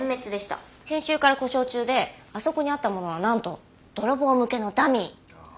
先週から故障中であそこにあったものはなんと泥棒向けのダミー。